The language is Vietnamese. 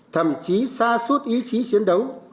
thậm chí xa suốt ý chí chiến đấu